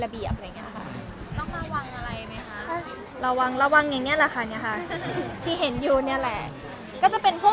อยากเรียกซาร่าบอกว่าพื้นดีการเรียนแบบนี้